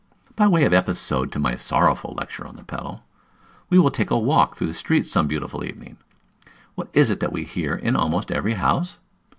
By way of episode to my sorrowful lecture on the pedal, we will take a walk through the streets some beautiful evening. What is it that we hear in almost every house?